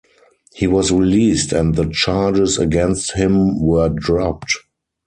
He was released, and the charges against him were dropped.